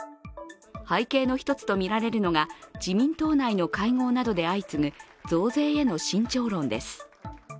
背景の１つとみられるのが、自民党内の会合などで相次ぐ増税への慎重論です。